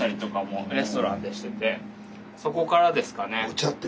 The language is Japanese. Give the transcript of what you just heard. そこからですかね。